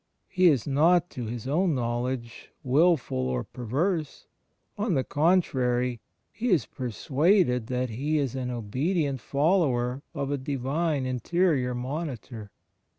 He is not, to his own knowledge, wilful or perverse: on the contrary, he is persuaded that he is an obedient follower of a Divine interior monitor.